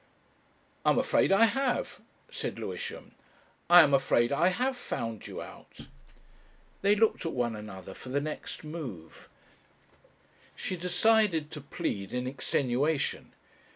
"I am afraid I have," said Lewisham. "I am afraid I have found you out." They looked at one another for the next move. She decided to plead in extenuation.